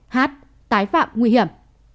h tái phạm nguy hiểm